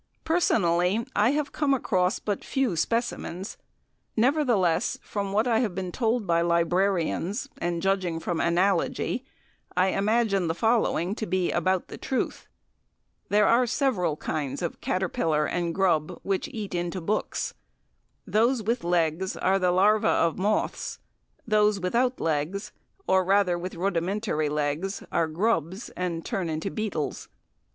Personally, I have come across but few specimens; nevertheless, from what I have been told by librarians, and judging from analogy, I imagine the following to be about the truth: There are several kinds of caterpillar and grub, which eat into books, those with legs are the larvae of moths; those without legs, or rather with rudimentary legs, are grubs and turn to beetles.